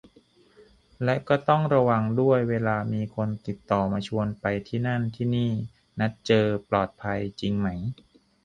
และก็ต้องระวังด้วยเวลามีคนติดต่อมาชวนไปที่นั่นที่นี่ นัดเจอ ปลอดภัยจริงไหม